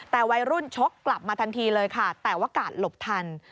แต่วัยรุ่นชกกลับมาทันทีเลยค่ะแต่ว่ากาดหลบทัน